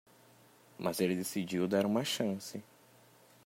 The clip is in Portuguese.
Mas ele decidiu dar uma chance.